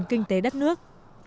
phát triển kinh tế đất nước